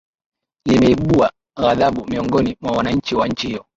limeibuwa ghadhabu miongoni mwa wananchi wa nchi hiyo